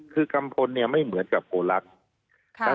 คือกัมพลเนี่ยไม่เหมือนกับโกลักษณ์